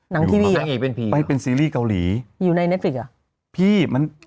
ทีวีนางเอกเป็นผีไปเป็นซีรีส์เกาหลีอยู่ในเนฟิกอ่ะพี่มัน